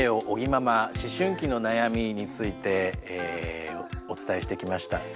尾木ママ思春期の悩み」についてお伝えしてきました。